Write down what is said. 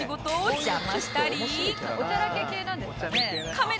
「おちゃらけ系なんですかね」